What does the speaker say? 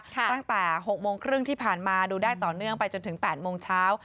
ตั้งแต่๖โมงครึ่งที่ผ่านมาดูได้ต่อเนื่องไปจนถึง๘โมงเช้า